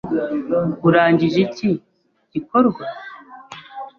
Urangije iki gikorwa?